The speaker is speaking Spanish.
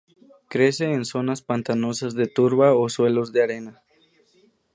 Crece en zonas pantanosas de turba o suelos de arena.